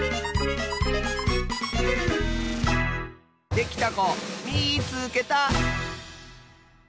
できたこみいつけた！